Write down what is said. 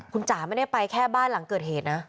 คุณจ๋าไม่ได้ไปแค่บ้านหลังเกิดเหตุนะ